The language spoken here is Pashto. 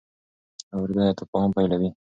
اورېدنه د تفاهم پیلوي.